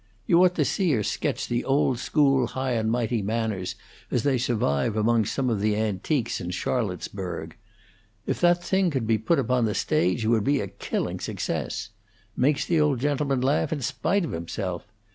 You ought to see her sketch the old school, high and mighty manners, as they survive among some of the antiques in Charlottesburg. If that thing could be put upon the stage it would be a killing success. Makes the old gentleman laugh in spite of himself.